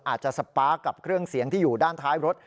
สปาร์คกับเครื่องเสียงที่อยู่ด้านท้ายรถ